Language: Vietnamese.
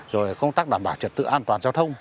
rồi công tác đảm bảo trật tự an toàn giao thông